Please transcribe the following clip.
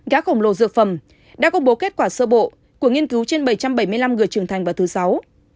gá khổng lồ dược phẩm đã công bố kết quả sơ bộ của nghiên cứu trên bảy trăm bảy mươi năm người trưởng thành vào thứ sáu